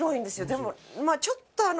でもちょっとあの。